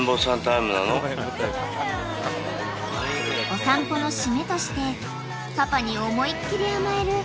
［お散歩の締めとしてパパに思いっ切り甘える